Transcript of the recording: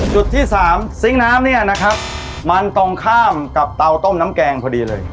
จุดที่สามซิงค์น้ำเนี่ยนะครับมันตรงข้ามกับเตาต้มน้ำแกงพอดีเลย